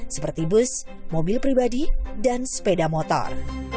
seperti bus mobil pribadi dan sepeda motor